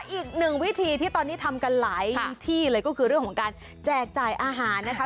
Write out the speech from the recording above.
อีกหนึ่งวิธีที่ตอนนี้ทำกันหลายที่เลยก็คือเรื่องของการแจกจ่ายอาหารนะคะ